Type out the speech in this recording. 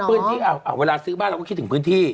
พื้นที่อ่าวเวลาซื้อบ้านเราก็คิดถึงพื้นที่